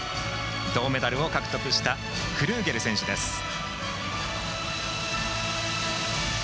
銅メダルを獲得したクルーゲル選手です。